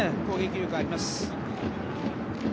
攻撃力があります。